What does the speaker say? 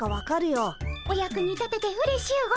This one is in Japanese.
お役に立ててうれしゅうございます。